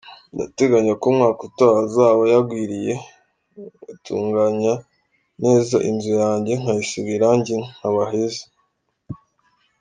Ndateganya ko umwaka utaha azaba yagwiriye ngatunganya neza inzu yanjye nkayisiga irangi nkaba heza”.